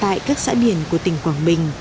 tại các xã biển của tỉnh quảng bình